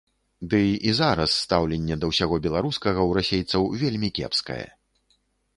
Дый і зараз стаўленне да ўсяго беларускага ў расейцаў вельмі кепскае.